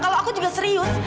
kalau aku juga serius